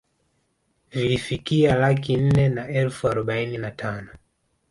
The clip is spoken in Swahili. Vilifikia laki nne na elfu arobaini na tano